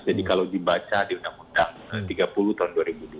jadi kalau dibaca di undang undang tiga puluh tahun dua ribu dua